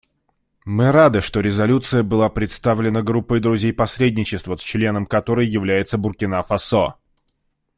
Мы рады, что резолюция была представлена Группой друзей посредничества, членом которой является Буркина-Фасо.